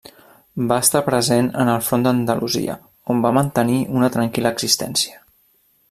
Va estar present en el front d'Andalusia, on va mantenir una tranquil·la existència.